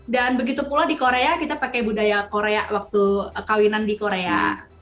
dan begitu pula di korea kita pakai budaya korea waktu kawinan di korea